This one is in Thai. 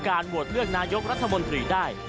โหวตเลือกนายกรัฐมนตรีได้